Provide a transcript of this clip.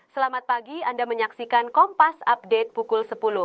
selamat pagi anda menyaksikan kompas update pukul sepuluh